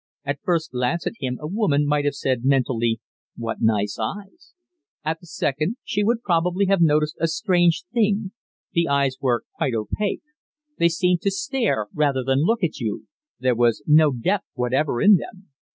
At first glance at him a woman might have said mentally, "What nice eyes!" At the second, she would probably have noticed a strange thing the eyes were quite opaque; they seemed to stare rather than look at you, there was no depth whatever in them.